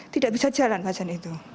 tidak bisa jalan pasien itu